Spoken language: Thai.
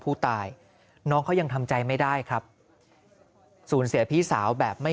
ผู้ตายน้องเขายังทำใจไม่ได้ครับสูญเสียพี่สาวแบบไม่